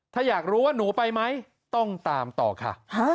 ถ้าอยากรู้ว่าหนูไปไหมต้องตามต่อค่ะ